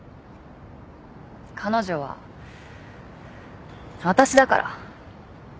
彼女は私だから。